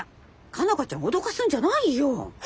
佳奈花ちゃんを脅かすんじゃないよ。